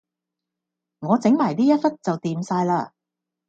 我整埋呢一忽就掂晒喇